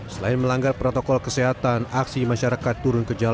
selain melanggar protokol kesehatan aksi masyarakat turun kejayaan